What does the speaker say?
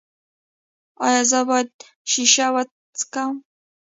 ایا زه باید شیشه وڅکوم؟